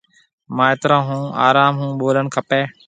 مائيترون هون آروم هون ٻولڻ کپيَ۔